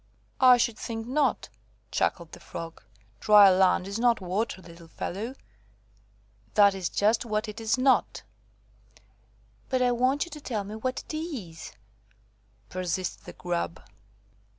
"I should think not," chuckled the Frog. "Dry land is not water, little fellow. That is just what it is not." "But I want you to tell me what it is," persisted the Grub.